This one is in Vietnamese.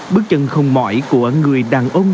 bước chân không mỏi của người đàn ông